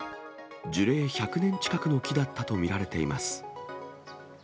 樹齢１００年近くの木だったと見られています。